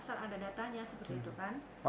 soal ada datanya seperti itu kan